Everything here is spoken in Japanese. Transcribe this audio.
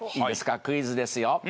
いいですかクイズですよ。